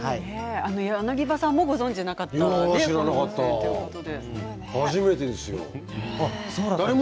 柳葉さんもご存じなかった初めてです。